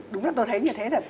đúng là tôi thấy như thế thật